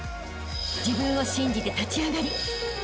［自分を信じて立ち上がりあしたへ